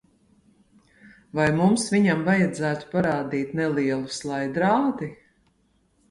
Vai mums viņam vajadzētu parādīt nelielu slaidrādi?